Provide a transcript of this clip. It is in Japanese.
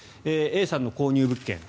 Ａさんの購入物件